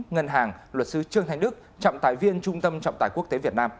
ngân hàng luật sư trương thanh đức trọng tài viên trung tâm trọng tài quốc tế việt nam